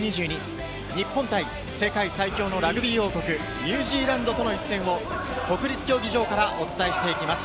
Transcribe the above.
日本対世界最強のラグビー王国・ニュージーランドとの一戦を国立競技場からお伝えしていきます。